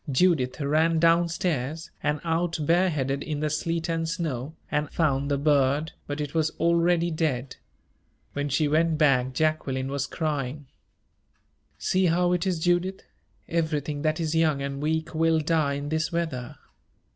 Judith ran down stairs, and out bareheaded in the sleet and snow, and found the bird but it was already dead. When she went back, Jacqueline was crying. "See how it is, Judith everything that is young and weak will die in this weather."